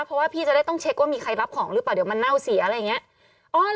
เพราะว่าพี่จะได้ต้องเช็คว่ามีใครรับของหรือเปล่าเดี๋ยวมันเน่าเสียอะไรอย่างนี้